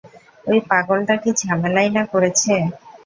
ওই পাগলটা কী ঝামেলাই না করেছে।